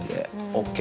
ＯＫ。